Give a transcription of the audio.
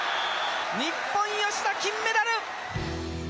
日本吉田金メダル！」。